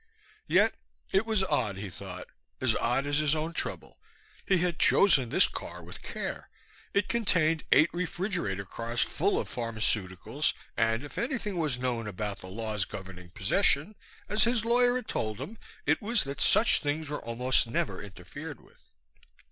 Yet it was odd, he thought, as odd as his own trouble. He had chosen this car with care. It contained eight refrigerator cars full of pharmaceuticals, and if anything was known about the laws governing possession, as his lawyer had told him, it was that such things were almost never interfered with.